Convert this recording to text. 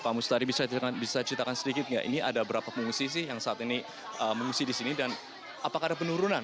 pak mustari bisa ceritakan sedikit nggak ini ada berapa pengungsi sih yang saat ini mengungsi di sini dan apakah ada penurunan